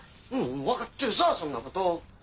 分かってるさぁそんなこと。